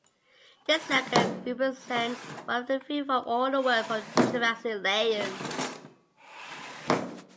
This record represents one of the few from all the world from Jurassic layers.